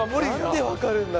何でわかるんだ？